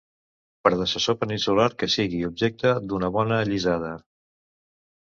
Predecessor peninsular que sigui objecte d'una bona allisada.